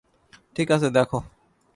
ঠিক আছে, দেখো।